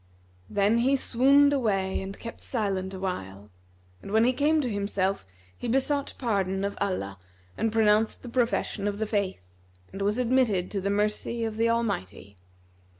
Then he swooned away and kept silent awhile; and, when he came to himself, he besought pardon of Allah and pronounced the profession of the Faith, and was admitted to the mercy of the Almighty.